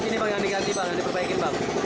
apaan ini bagian yang diganti bagian yang diperbaikin